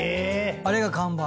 あれが看板。